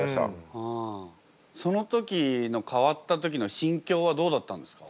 その時の変わった時の心境はどうだったんですか？